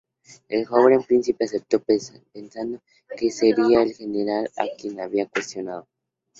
El joven príncipe aceptó, pensando que sería el general a quien había cuestionado.